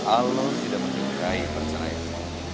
allah tidak menyukai perasaan ayahmu